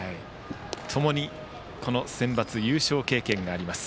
ともにセンバツ優勝経験があります。